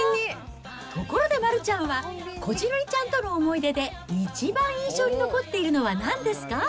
ところで丸ちゃんは、こじるりちゃんとの思い出で、一番印象に残っているのはなんですか？